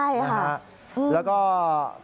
มีส่วนสารวัตรแมก